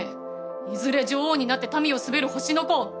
いずれ女王になって民を統べる星の子。